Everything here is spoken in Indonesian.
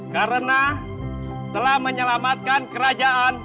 karena telah menyelamatkan kerajaan